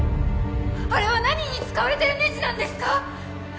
あれは何に使われてるネジなんですか？